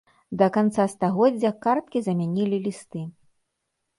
Да канца стагоддзя карткі замянілі лісты.